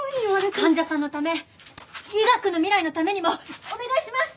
患者さんのため医学の未来のためにもお願いします！